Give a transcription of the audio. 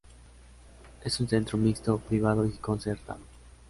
Es un centro mixto, privado y concertado.